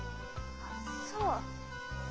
あっそう。